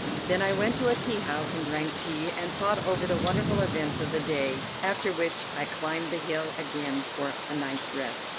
Then I went to a tea house, and drank tea, and thought over the wonderful events of the day, after which I climbed the hill again for a night's rest.